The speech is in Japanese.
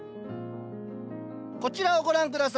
こちらをご覧下さい。